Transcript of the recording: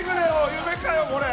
夢かよこれ！